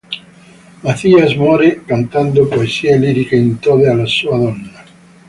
Macías muore cantando poesie liriche in lode alla sua donna.